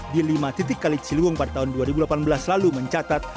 di lima titik kali ciliwung pada tahun dua ribu delapan belas lalu mencatat